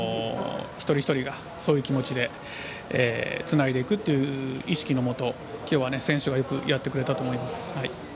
一人一人がそういう気持ちでつないでいくという意識のもときょうは選手はよくやってくれたと思います。